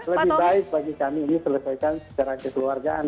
lebih baik bagi kami ini selesaikan secara kekeluargaan